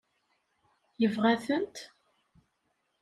Yebɣa-tent?